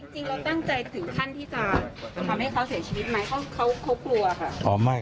จริงเราตั้งใจถึงท่านที่จะทำให้เขาเสียชีวิตไหม